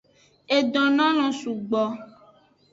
E donoalon sugbo.